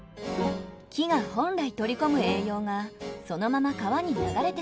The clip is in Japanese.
木が本来取り込む栄養がそのまま川に流れてしまいます。